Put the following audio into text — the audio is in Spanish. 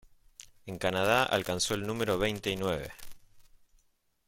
En Canadá alcanzó el número veinte y nueve.